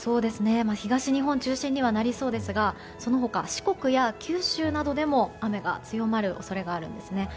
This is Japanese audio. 東日本中心にはなりそうですがその他、四国や九州などでも雨が強まる恐れがあるんですね。